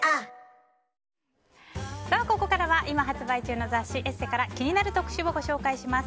ここからは今発売中の雑誌「ＥＳＳＥ」から気になる特集をご紹介します。